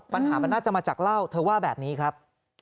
ปัญหามันน่าจะมาจากเหล้าเธอว่าแบบนี้ครับ